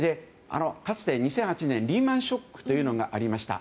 かつて２００８年リーマン・ショックというのがありました。